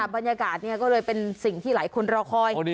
บรรยากาศก็เลยเป็นสิ่งที่หลายคนรอคอย